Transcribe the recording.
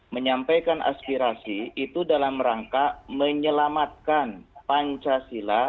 menyampaikan aspirasi itu dalam rangka menyelamatkan pancasila